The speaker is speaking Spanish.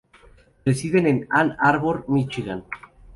Residen en Ann Arbor, Míchigan.